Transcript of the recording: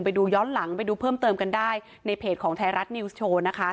ไปดูย้อนหลังไปดูเพิ่มเติมกันได้ในเพจของไทยรัฐนิวส์โชว์นะคะ